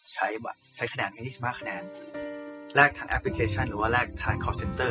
เจอกันที่ทางคอลเซ็นเตอร์